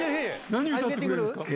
何歌ってくれるんですか？